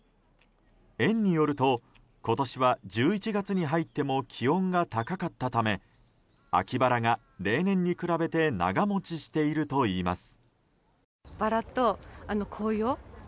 園によると、今年は１１月に入っても気温が高かったため秋バラが例年に比べて長持ちしているといいます。